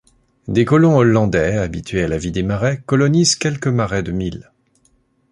Des colons hollandais, habitués à la vie des marais, colonisent quelques marais de Mill.